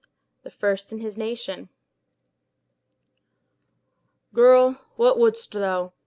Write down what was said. "The first in his nation." "Girl, what wouldst thou?